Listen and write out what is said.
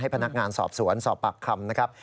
พนักงานสอบสวนสอบปากคำนะครับ